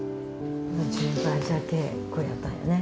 １０倍じゃけえこうやったんやね。